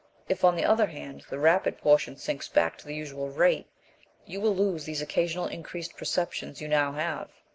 If, on the other hand, the rapid portion sinks back to the usual rate, you will lose these occasional increased perceptions you now have."